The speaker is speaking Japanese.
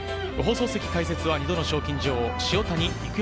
解説は２度の賞金女王、塩谷育代